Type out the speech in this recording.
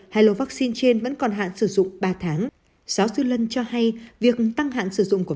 hai lô vaccine trên vẫn còn hạn sử dụng ba tháng giáo sư lân cho hay việc tăng hạn sử dụng của